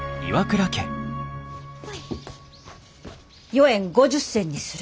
４円５０銭にする！